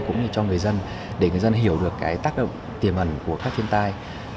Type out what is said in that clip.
cũng như cho người dân để người dân hiểu được cái tác động tiềm ẩn của các thiên tai